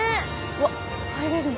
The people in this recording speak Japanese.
うわっ入れるの？